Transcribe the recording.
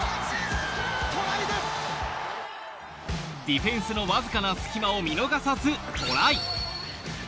ディフェンスのわずかな隙間を見逃さずトライ。